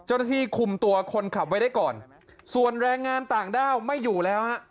เจ้าหน้าที่คุมตัวคนขับไว้ได้ก่อนส่วนแรงงานต่างด้าวไม่อยู่แล้วฮะ